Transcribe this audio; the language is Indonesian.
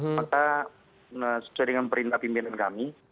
maka sesuai dengan perintah pimpinan kami